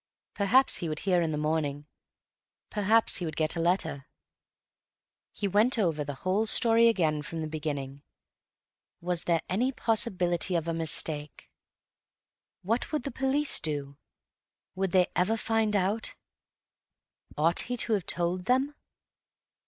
Perhaps he would hear in the morning; perhaps he would get a letter. He went over the whole story again from the beginning—was there any possibility of a mistake? What would the police do? Would they ever find out? Ought he to have told them?